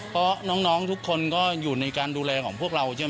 เพราะน้องทุกคนก็อยู่ในการดูแลของพวกเราใช่ไหม